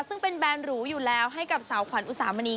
ซึ่งเป็นแบรนดหรูอยู่แล้วให้กับสาวขวัญอุสามณี